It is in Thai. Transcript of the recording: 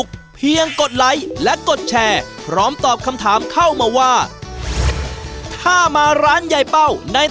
แต่เดี๋ยวก่อนเลยผมก็บีใจไป